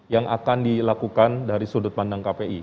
yang akan dilakukan dari sudut pandang kpi